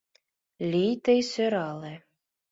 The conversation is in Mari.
Лий тый сӧрале.